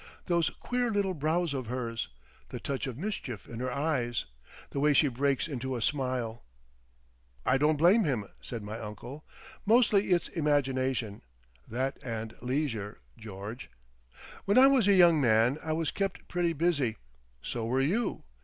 Those queer little brows of hers, the touch of mischief in her eyes—the way she breaks into a smile!" "I don't blame him," said my uncle. "Mostly it's imagination. That and leisure, George. When I was a young man I was kept pretty busy. So were you.